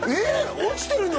落ちてるの！？